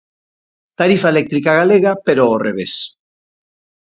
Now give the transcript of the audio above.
Tarifa eléctrica galega pero ao revés.